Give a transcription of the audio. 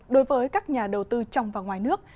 đối với các nhà đầu tư trong và ngoài nước